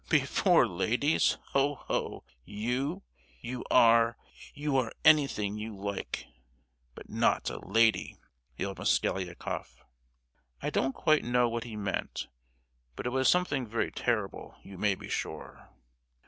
"Before ladies? Ho ho! You—you are—you are anything you like—but not a lady!" yelled Mosgliakoff. I don't quite know what he meant, but it was something very terrible, you may be sure!